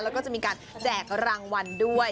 แล้วก็จะมีการแจกรางวัลด้วย